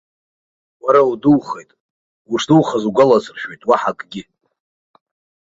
Уара удухеит, ушдухаз угәаласыршәоит, уаҳа акгьы.